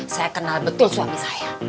saya kenal betul suami saya